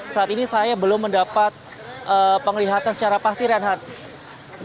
saat ini saya belum mendapat penglihatan secara pasti reinhardt